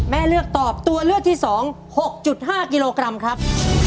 เลือกตอบตัวเลือกที่๒๖๕กิโลกรัมครับ